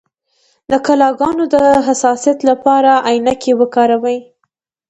د ګلانو د حساسیت لپاره عینکې وکاروئ